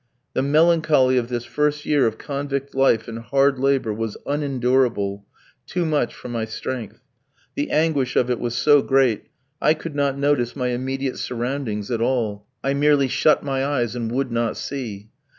The melancholy of this first year of convict life and hard labour was unendurable, too much for my strength. The anguish of it was so great, I could not notice my immediate surroundings at all; I merely shut my eyes and would not see.